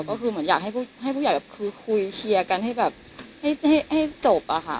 ก็คือเหมือนอยากให้ผู้ใหญ่แบบคือคุยเคลียร์กันให้แบบให้จบอะค่ะ